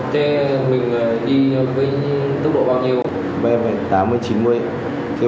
thế mình đi với tốc độ bao nhiêu